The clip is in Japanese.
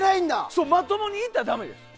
そう、まともにいったらダメです。